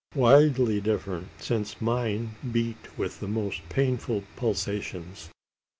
Widely different, since mine beat with the most painful pulsations.